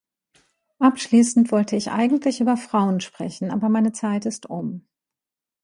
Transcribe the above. Abschließend wollte ich eigentlich über Frauen sprechen, aber meine Zeit ist um.